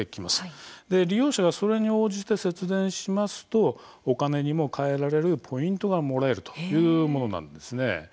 利用者がそれに応じて節電しますとお金にもかえられるポイントがもらえるというものなんです。